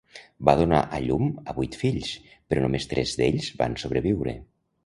Va donar a llum a vuit fills, però només tres d'ells van sobreviure.